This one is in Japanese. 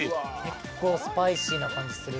結構スパイシーな感じする。